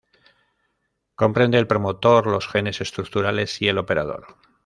Comprende el promotor, los genes estructurales y el operador.